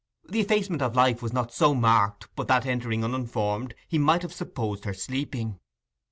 The effacement of life was not so marked but that, entering uninformed, he might have supposed her sleeping.